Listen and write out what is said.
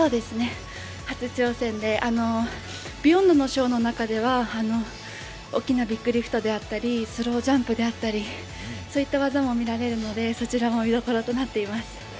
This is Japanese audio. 初挑戦で、「ＢＥＹＯＮＤ」のショーの中では大きなビッグリフトであったりスロージャンプだったりそういった技も見られるのでそちらも見どころとなっています。